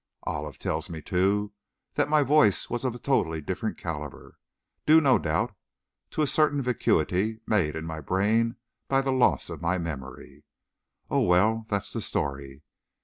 "Olive tells me, too, that my voice was of a totally different caliber, due, no doubt, to a certain vacuity made in my brain by the loss of my memory. Oh, well, that's the story.